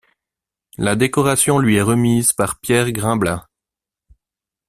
La décoration lui est remise par Pierre Grimblat.